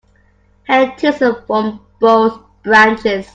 Hang tinsel from both branches.